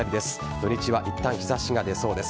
土日はいったん日差しが出そうです。